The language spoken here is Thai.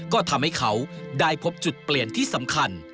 ก็ทำให้เขาได้พบจุดเปลี่ยนที่สำคัญ